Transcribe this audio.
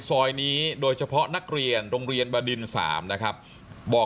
ซอยนี้โดยเฉพาะนักเรียนโรงเรียนบดิน๓นะครับบอก